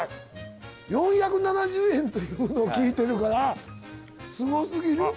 ４７０円というのを聞いてるからすごすぎるあっ